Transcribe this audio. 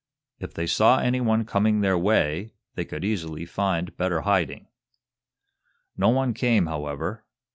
If they saw anyone coming their way they could easily find better hiding. No one came, however.